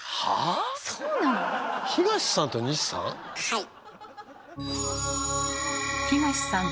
はい。